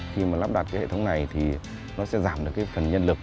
khi mà lắp đặt cái hệ thống này thì nó sẽ giảm được cái phần nhân lực